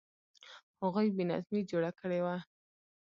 هغوی بې نظمي جوړه کړې وه.